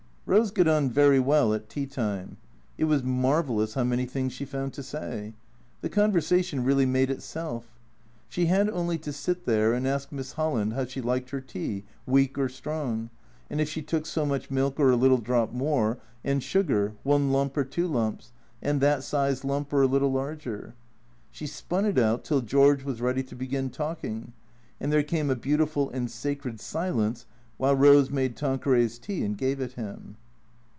Eose got on very w^ell at tea time. It was marvellous how many things she found to say. The conversation really made itself. She had only to sit there and ask Miss Holland how she liked her tea, weak or strong, and if she took so much milk or a little drop more, and sugar, one lump or two lumps, and that sized lump or a little larger? She spun it out till George was ready to begin talking. And there came a beautiful and sacred silence while Eose made Tanqueray's tea and gave it him.